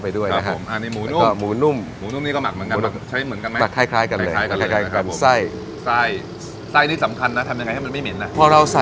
เพิ่มเทศลงไปในน้ำซุปเรา